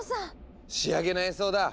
仕上げの演奏だ！